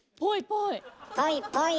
ぽいぽい！